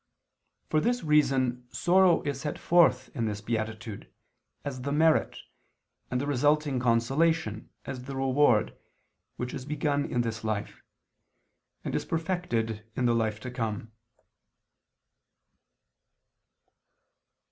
For this reason sorrow is set forth in this beatitude, as the merit, and the resulting consolation, as the reward; which is begun in this life, and is perfected in the life to come.